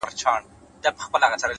د باد نرم حرکت د چاپېریال ژبه بدلوي؛